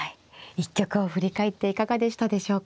一局を振り返っていかがでしたでしょうか。